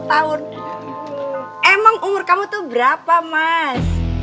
lima puluh tahun emang umur kamu tuh berapa mas